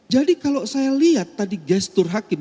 jadi kalau saya lihat tadi gestur hakim